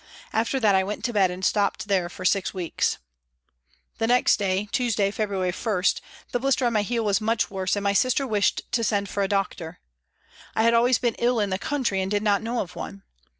After that I went to bed and stopped there for six weeks. The next day, Tuesday, February 1, the blister on my heel was much worse and my sister wished to send for a doctor. I had always been ill in the country and did not know of one.